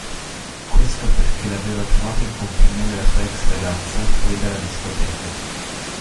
Questo perché lo aveva trovato in compagnia della sua ex ragazza, fuori dalla discoteca.